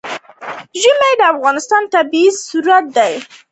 ژمی د افغانستان طبعي ثروت دی.